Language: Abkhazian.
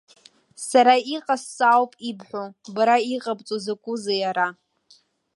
Сара иҟасҵо ауп ибҳәо, бара иҟабҵо закәызеи ара?